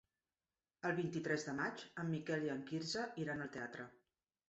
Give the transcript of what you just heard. El vint-i-tres de maig en Miquel i en Quirze iran al teatre.